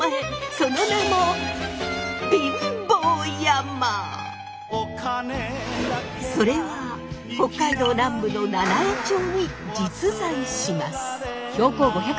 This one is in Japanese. その名もそれは北海道南部の七飯町に実在します。